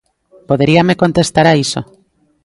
¿Poderíame contestar a iso?